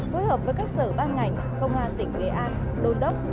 phối hợp với các sở ban ngành công an tỉnh nghệ an đôn đốc